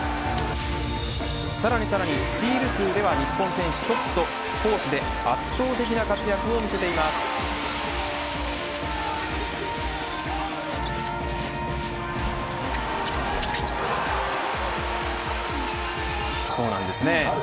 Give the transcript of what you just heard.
さらにさらに、スティール数では日本選手トップと攻守で圧倒的な活躍を見せているんです。